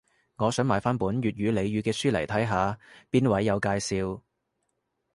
我想買返本粵語俚語嘅書嚟睇下，邊位有介紹